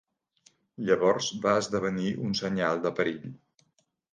Llavors va esdevenir un senyal de perill.